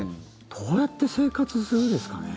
どうやって生活するんですかね。